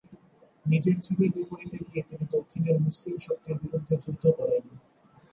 নিজের ছেলের বিপরীতে গিয়ে তিনি দক্ষিণের মুসলিম শক্তির বিরুদ্ধে যুদ্ধ করেন।